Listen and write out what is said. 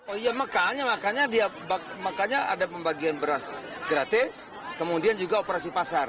oh iya makanya dia makanya ada pembagian beras gratis kemudian juga operasi pasar